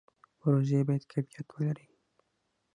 پروژې باید کیفیت ولري